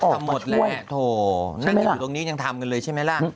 ทำหมดเลยโถนั่งอยู่ตรงนี้ยังทำกันเลยใช่ไหมล่ะ